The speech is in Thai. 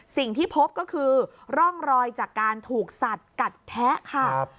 สิ่งที่พบก็คือร่องรอยจากการถูกสัดกัดแทะค่ะ